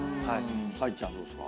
たいちゃんどうですか？